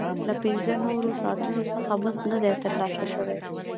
له پنځه نورو ساعتونو څخه مزد نه دی ترلاسه شوی